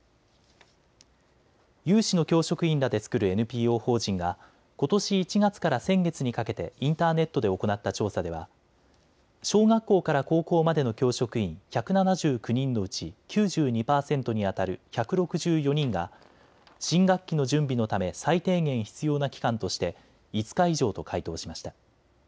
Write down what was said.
有志の教職員らで作るＮＰＯ法人がことし１月から先月にかけてインターネットで行った調査では小学校から高校までの教職員１７９人のうち９２％にあたる１６４人が新学期の準備のため最低限必要な期間として５日以上と回答しました。